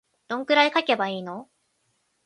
どんくらい書けばいいの